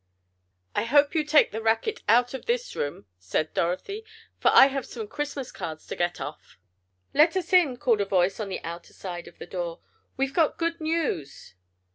"I hope you take the racket out of this room," said Dorothy, "for I have some Christmas cards to get off." "Let us in!" called a voice on the outer side of the door. "We've got good news."